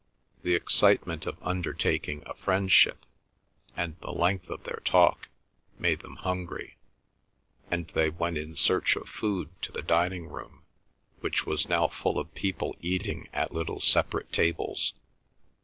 The excitement of undertaking a friendship and the length of their talk had made them hungry, and they went in search of food to the dining room, which was now full of people eating at little separate tables.